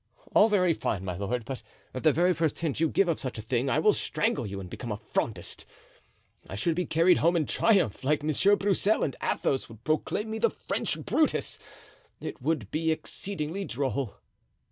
All very fine, my lord, but at the very first hint you give of such a thing I will strangle you and become Frondist. I should be carried home in triumph like Monsieur Broussel and Athos would proclaim me the French Brutus. It would be exceedingly droll."